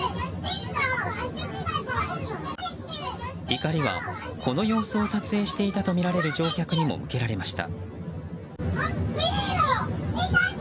怒りはこの様子を撮影していたとみられる乗客にも向けられました。